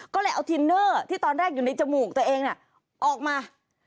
ก็เลยเอาทินเนอร์ที่ตอนแรกอยู่ในจมูกตัวเองออกมา